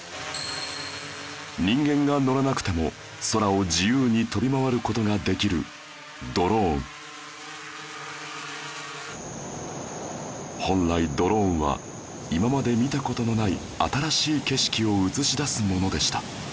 人間が乗らなくても空を自由に飛び回る事ができる本来ドローンは今まで見た事のない新しい景色を映し出すものでした